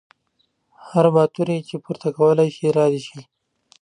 هر باتور یې چې پورته کولی شي را دې شي.